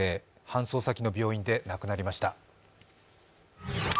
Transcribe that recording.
搬送先の病院で亡くなりました。